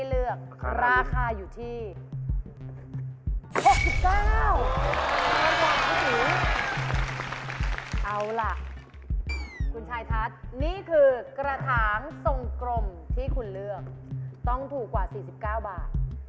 เอาล่ะคุณชายทัศน์นี่คือกระถางทรงกลมที่คุณเลือกต้องถูกกว่า๔๙บาท